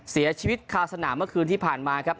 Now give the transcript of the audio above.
เสียชีวิตคาสนามเมื่อคืนที่ผ่านมาครับ